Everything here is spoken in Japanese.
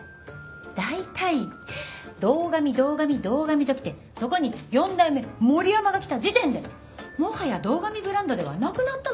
大体堂上堂上堂上と来てそこに４代目森山が来た時点でもはや堂上ブランドではなくなったのでは？